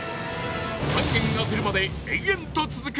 ３軒当てるまで延々と続く